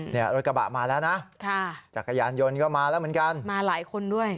เนี่ยรถกระบะมาแล้วนะค่ะจักรยานยนต์ก็มาแล้วเหมือนกันมาหลายคนด้วย